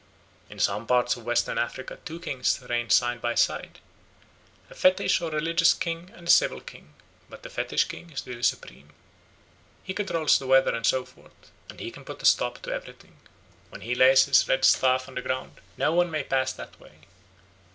In some parts of Western Africa two kings reign side by side, a fetish or religious king and a civil king, but the fetish king is really supreme. He controls the weather and so forth, and can put a stop to everything. When he lays his red staff on the ground, no one may pass that way.